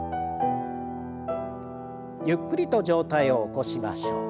ゆっくりと上体を起こしましょう。